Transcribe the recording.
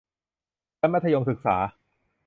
ชั้นมัธยมศึกษา